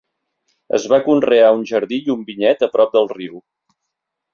Es va conrear un jardí i un vinyet a prop del riu.